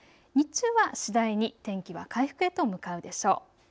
日中は次第に天気は回復へと向かうでしょう。